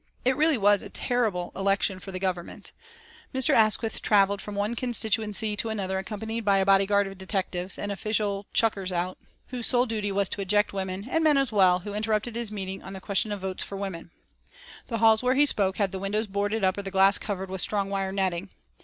It really was a terrible election for the Government. Mr. Asquith travelled from one constituency to another accompanied by a body guard of detectives, and official "chuckers out," whose sole duty was to eject women, and men as well, who interrupted his meetings on the question of Votes for Women. The halls where he spoke had the windows boarded up or the glass covered with strong wire netting.